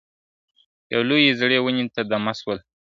یوې لويی زړې وني ته دمه سول ,